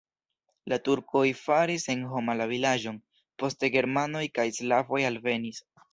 La turkoj faris senhoma la vilaĝon, poste germanoj kaj slovakoj alvenis.